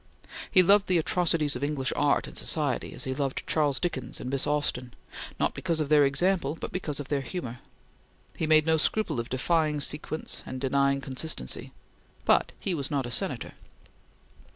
He loved the atrocities of English art and society, as he loved Charles Dickens and Miss Austen, not because of their example, but because of their humor. He made no scruple of defying sequence and denying consistency but he was not a Senator.